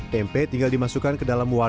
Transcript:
tempe tinggal dimasukkan ke dalam wadah